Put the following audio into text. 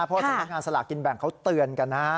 เพราะสำนักงานสลากกินแบ่งเขาเตือนกันนะ